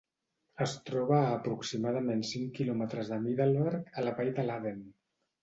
Es troba a aproximadament cinc quilòmetres de Middleburg a la vall de Loudoun.